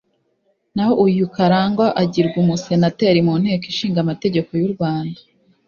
naho uyu Karangwa agirwa umusenateri mu Nteko ishinga amategeko y’u Rwanda